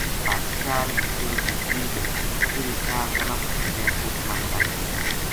بادشاہ نے کہیو جی ٹھیک ہے کِہڑی ٹھار تنا پسند ہے اُس ما لڑائی کرینے